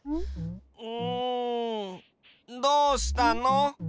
んどうしたの？